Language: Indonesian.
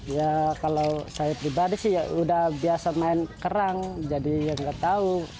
ya kalau saya pribadi sih udah biasa main kerang jadi gak tau